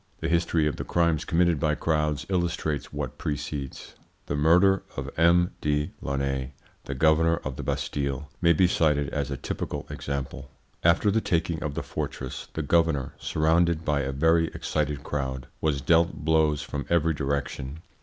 The history of the crimes committed by crowds illustrates what precedes. The murder of M. de Launay, the governor of the Bastille, may be cited as a typical example. After the taking of the fortress the governor, surrounded by a very excited crowd, was dealt blows from every direction.